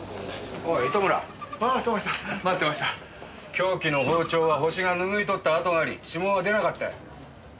凶器の包丁はホシが拭い取った跡があり指紋は出なかったよ。